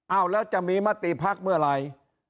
เอาแล้วจะมีมติภักดิ์เมื่อไหร่